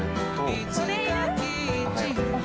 いつかキッチンを